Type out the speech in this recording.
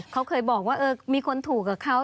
เขาเคยบอกว่ามีคนถูกกับเขา